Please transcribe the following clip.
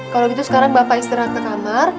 kalau gitu sekarang bapak istirahat ke kamar